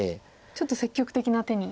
ちょっと積極的な手に。